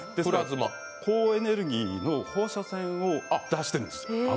高エネルギーの放射線を出しているんですよ。